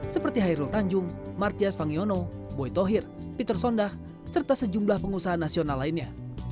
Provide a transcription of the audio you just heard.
seperti hairul tanjung martyas fangiono boy tohir peter sondah serta sejumlah pengusaha nasional lainnya